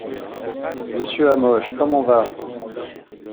Monsieur Hamoche, comment va?